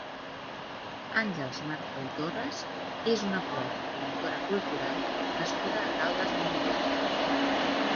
Àngels Marzo i Torres és una poeta i promotora cultural nascuda a Caldes de Montbui.